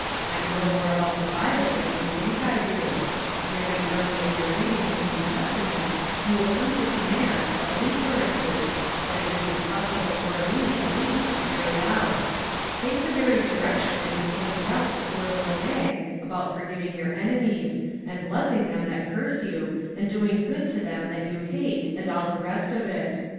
I know more about the Bible than you think I do. Very early in your reading of the New Testament you will come to commands or inferences, that it isn't possible for me, at least, to carry out. Take the very direction that you pointed out to poor little Mag about for giving your enemies, and blessing them that curse you, and doing good to them that you hate, and all the rest of it.